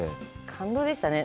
感動でしたね。